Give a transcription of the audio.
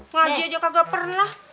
ngaji aja kagak pernah